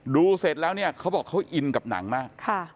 เสร็จแล้วเนี่ยเขาบอกเขาอินกับหนังมาก